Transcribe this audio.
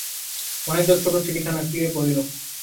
মহেন্দ্র ছোটো চিঠিখানা খুলিয়া পড়িল।